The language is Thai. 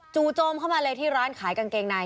โจมเข้ามาเลยที่ร้านขายกางเกงใน